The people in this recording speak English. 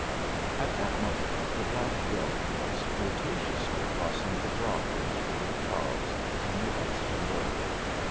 At that moment the black gelding was flirtatiously crossing the drawbridge over the Charles on the Allston Road.